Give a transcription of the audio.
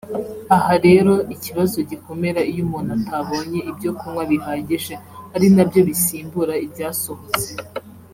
aha rero ikibazo gikomera iyo umuntu atabonye ibyo kunywa bihagije ari nabyo bisimbura ibyasohotse